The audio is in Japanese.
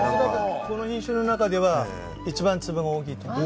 この品種のなかでは一番粒が大きいと。